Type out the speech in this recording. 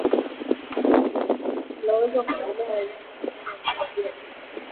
unawezo kuangalia wanyama vizuri ukiwa juu ya daraja hilo